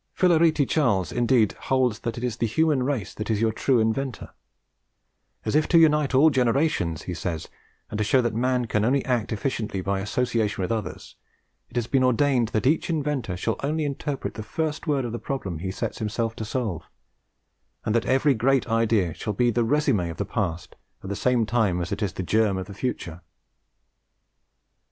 Philarete Chasles, indeed, holds that it is the Human Race that is your true inventor: "As if to unite all generations," he says, "and to show that man can only act efficiently by association with others, it has been ordained that each inventor shall only interpret the first word of the problem he sets himself to solve, and that every great idea shall be the RESUME of the past at the same time that it is the germ of the future."